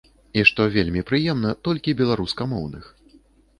І што вельмі прыемна, толькі беларускамоўных.